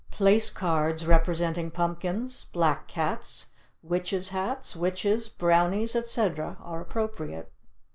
Place cards representing pumpkins, black cats, witches' hats, witches, brownies, etc., are appropriate.